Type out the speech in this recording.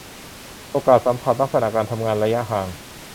โอกาสสัมผัส ลักษณะการทำงาน ระยะห่าง